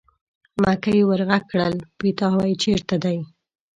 مکۍ ور غږ کړل: پیتاوی چېرته دی.